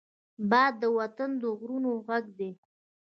باد د وطن د غرونو غږ دی